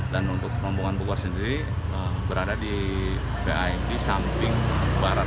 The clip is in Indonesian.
dan untuk rombongan pekuas sendiri berada di vip samping barat